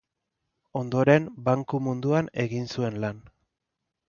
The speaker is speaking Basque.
Ondoren banku munduan egin zuen lan.